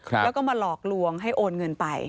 แล้วก็มาหลอกลวงให้โอนเงินไป